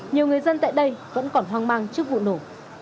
nhiều người dân tại đây vẫn còn hoang mang trước vụ nổ